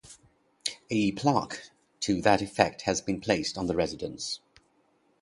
A plaque to that effect has been placed on the residence.